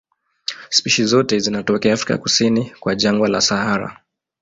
Spishi zote zinatokea Afrika kusini kwa jangwa la Sahara.